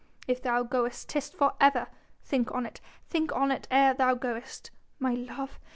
If thou goest 'tis for ever.... Think on it ... think on it ere thou goest.... My love